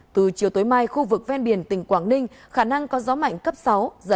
từ chiều tối mai khu vực ven biển tỉnh quảng ninh khả năng có giá trị tâm bão mạnh cấp một mươi một giật cấp một mươi năm